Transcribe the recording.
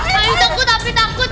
saya takut tapi takut